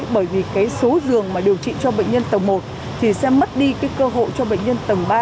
bởi vì cái số giường mà điều trị cho bệnh nhân tầng một thì sẽ mất đi cái cơ hội cho bệnh nhân tầng ba